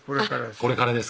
これからです